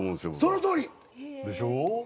そのとおり！でしょ？